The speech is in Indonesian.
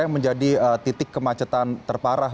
yang menjadi titik kemacetan terparah